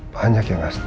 banyak yang tidak setuju